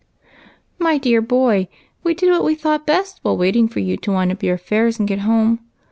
" My dear boy, we did what we thought best while waiting for you to wind up your affairs and get home.